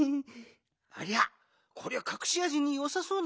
ありゃこりゃかくしあじによさそうな木のみだね。